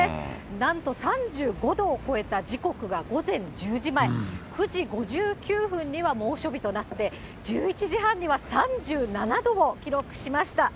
なんと３５度を超えた時刻が午前１０時前、９時５９分には猛暑日となって、１１時半には３７度を記録しました。